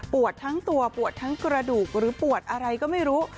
ทั้งตัวปวดทั้งกระดูกหรือปวดอะไรก็ไม่รู้